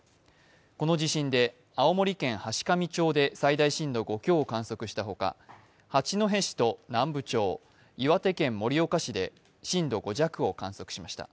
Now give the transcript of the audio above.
この地震で青森県階上町で最大震度５強を観測したほか、八戸市と南部町、岩手県盛岡市で震度５弱を観測しました。